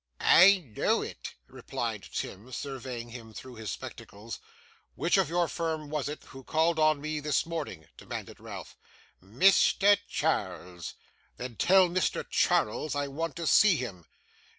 'I know it,' replied Tim, surveying him through his spectacles. 'Which of your firm was it who called on me this morning?' demanded Ralph. 'Mr. Charles.' 'Then, tell Mr. Charles I want to see him.